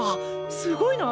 すごいな。